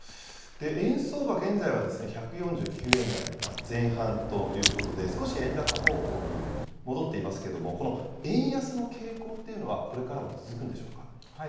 円相場、現在は１４９円台前半ということで、少し円高方向に戻っていますけども、この円安の傾向っていうのは、これからも続くんでしょうか。